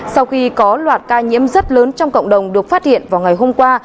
sau khi có loạt ca nhiễm rất lớn trong cộng đồng được phát hiện vào ngày hôm qua